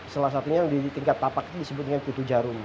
salah satunya yang di tingkat tapak itu disebut dengan pitu jarum